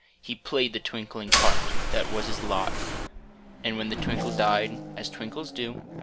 He played the twinkling part That was his lot. And when the twinkle died, As twinkles do.